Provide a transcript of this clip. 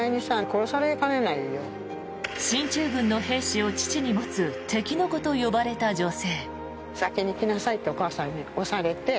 進駐軍の兵士を父に持つ敵の子と呼ばれた女性。